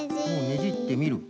ねじってみる。